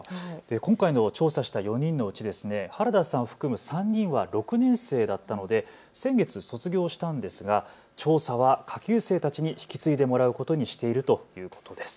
今回、調査した４人のうち原田さん含む３人は６年生だったので先月、卒業したんですが調査は下級生たちに引き継いでもらうことにしているということです。